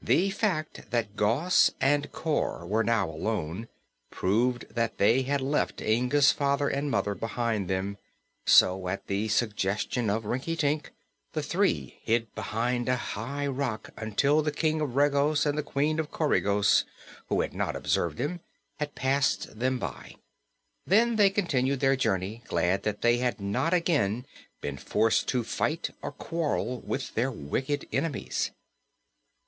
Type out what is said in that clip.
The fact that Gos and Cor were now alone proved that they had left Inga's father and mother behind them; so, at the suggestion of Rinkitink, the three hid behind a high rock until the King of Regos and the Queen of Coregos, who had not observed them, had passed them by. Then they continued their journey, glad that they had not again been forced to fight or quarrel with their wicked enemies.